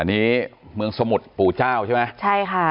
อันนี้เมืองสมุทรปู่เจ้าใช่ไหมใช่ค่ะ